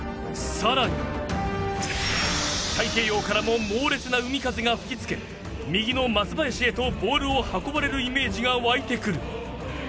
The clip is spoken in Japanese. さらに太平洋からも猛烈な海風が吹き付け、右の松林へとボールを運ばれるイメージが湧いてくる。